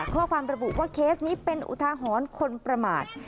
ข้อความระบุว่าเคสนี้เป็นอุทาหรณ์คนประมาท